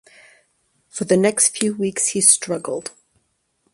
For the next few weeks he struggled.